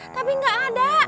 tapi gak ada